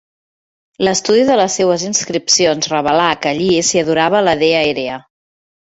L'estudi de les seues inscripcions revelà que allí s'hi adorava la dea Hera.